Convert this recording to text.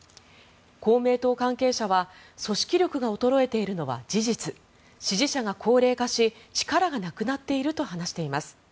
公明党関係者は組織力が衰えているのは事実支持者が高齢化し力がなくなっていると話しています。